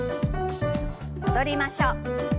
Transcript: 戻りましょう。